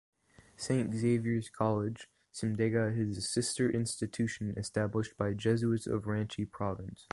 Saint Xavier's College, Simdega is a sister institution established by Jesuits of Ranchi province.